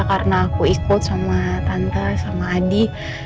karena aku ikut sama tante sama adi